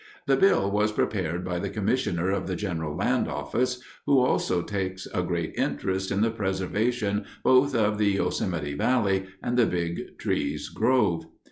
The bill was prepared by the commissioner of the General Land Office, who also takes a great interest in the preservation both of the Yosemite Valley and the Big Trees Grove."